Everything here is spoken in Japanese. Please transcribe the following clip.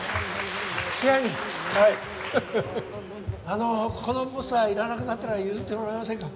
あのこのポスターいらなくなったら譲ってもらえませんか？